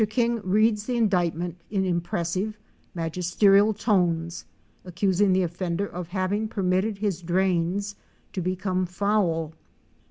King reads the indictment in impressive, magisterial tones, accusing the offender of having permitted his drains to become foul.